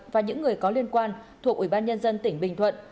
và những người có liên quan thuộc ủy ban nhân dân tỉnh bình thuận